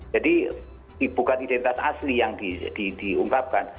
jadi bukan identitas asli yang diungkapkan